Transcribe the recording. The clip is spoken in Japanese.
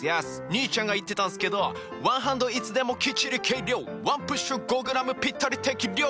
兄ちゃんが言ってたんすけど「ワンハンドいつでもきっちり計量」「ワンプッシュ５ｇぴったり適量！」